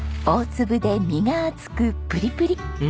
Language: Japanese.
大粒で身が厚くプリプリ！